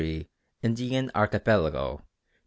Indian Archipelago_, p.